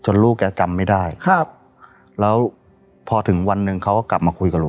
ลูกแกจำไม่ได้ครับแล้วพอถึงวันหนึ่งเขาก็กลับมาคุยกับลูก